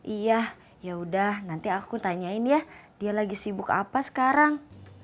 iya yaudah nanti aku tanyain ya dia lagi sibuk apa sekarang